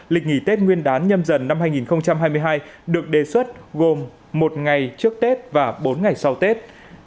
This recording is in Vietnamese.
lịch nghỉ tết nguyên đán nhâm dần năm hai nghìn hai mươi hai được đề xuất gồm một ngày trước tết và bốn ngày sau tết